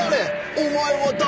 お前は誰？」